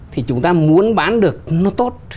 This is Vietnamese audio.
thì chúng ta muốn bán được nó tốt